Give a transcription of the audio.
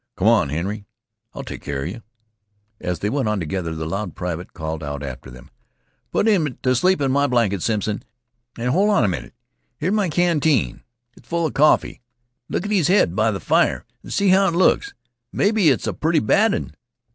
"Come on, Henry. I'll take keer 'a yeh." As they went on together the loud private called out after them: "Put 'im t' sleep in my blanket, Simpson. An' hol' on a minnit here's my canteen. It's full 'a coffee. Look at his head by th' fire an' see how it looks. Maybe it's a pretty bad un.